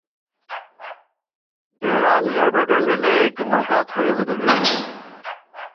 دېران ژَیبہ ڈُنڈُولېک ، نوکا تھوئی اُدُلُݭٹی